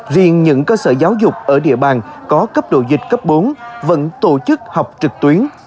riêng những cơ sở giáo dục ở địa bàn có cấp độ dịch cấp bốn vẫn tổ chức học trực tuyến